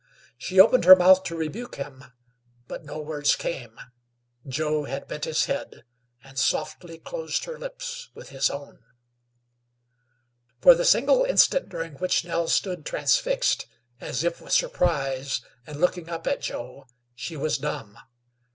She opened her mouth to rebuke him; but no words came. Joe had bent his head and softly closed her lips with his own. For the single instant during which Nell stood transfixed, as if with surprise, and looking up at Joe, she was dumb.